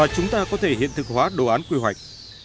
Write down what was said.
chúng ta có thể hiện thực hóa đồ án quy hoạch